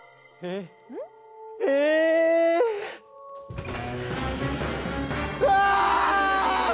うわ！